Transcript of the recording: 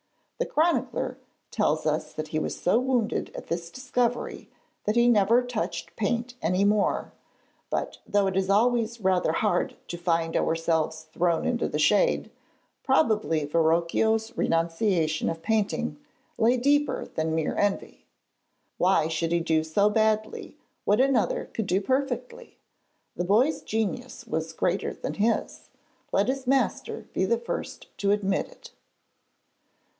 The chronicler tells us that he was so wounded at this discovery that he never touched paint any more, but though it is always rather hard to find ourselves thrown into the shade, probably Verrocchio's renunciation of painting lay deeper than mere envy. Why should he do badly what another could do perfectly? The boy's genius was greater than his: let his master be the first to admit it.